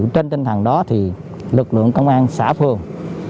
trên tinh thần đó thì lực lượng công an xã phường